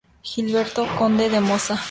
Gilberto, conde de Mosa